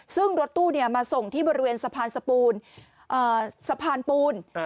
ซึ่งรถตู้เนี่ยมาส่งที่บริเวณสะพานสะปูนเอ่อสะพานปูนอ่า